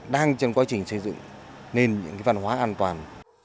đang trong quá trình xây dựng nên những văn hóa an toàn